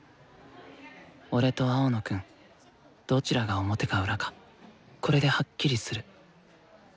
俺と青野くんどちらが表か裏かこれではっきりする。